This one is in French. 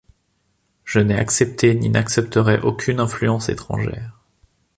Je n'ai accepté ni n'accepterai aucune influence étrangère.